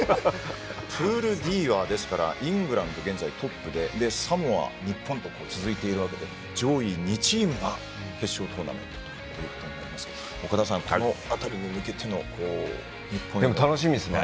プールＤはイングランドが現在トップでサモア、日本と続いているわけで上位２チームが決勝トーナメントとなりますが岡田さん、この辺りに向けての楽しみですね。